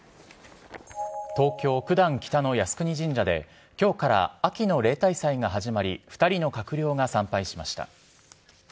東京・九段北の靖国神社で、きょうから秋の例大祭が始まり、２人の閣僚が参拝しました。